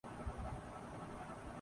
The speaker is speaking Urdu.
Atlantic standard time